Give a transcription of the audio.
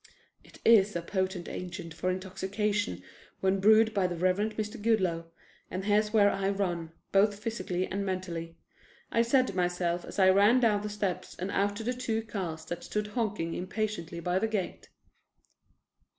"It is 'a potent agent for intoxication' when brewed by the Reverend Mr. Goodloe, and here's where I run, both physically and mentally," I said to myself as I ran down the steps and out to the two cars that stood honking impatiently by the gate.